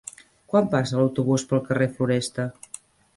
Quan passa l'autobús pel carrer Floresta?